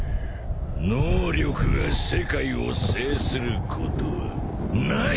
能力が世界を制することはない！